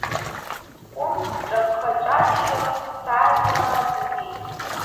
Кәым дҿаԥха-ҿаччо сааигәара днатәеит.